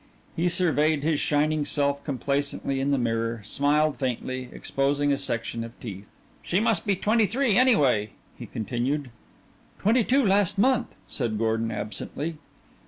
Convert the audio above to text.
He surveyed his shining self complacently in the mirror, smiled faintly, exposing a section of teeth. "She must be twenty three anyway," he continued. "Twenty two last month," said Gordon absently.